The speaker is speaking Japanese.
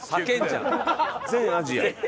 全アジアで。